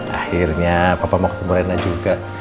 akhirnya papa mau ketemu rena juga